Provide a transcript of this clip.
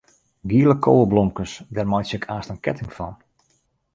Giele koweblomkes, dêr meitsje ik aanst in ketting fan.